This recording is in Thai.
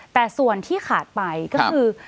แต่ส่วนที่ขาดไปก็คือ